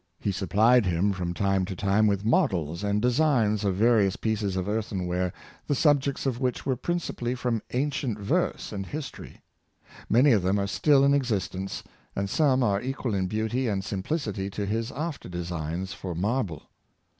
He supplied him from time to time with models and designs of various pieces of earthenware, the subjects of which were principally from ancient verse and his tory. Many of them are still in existence, and some are equal in beauty and simplicity to his after designs for marble.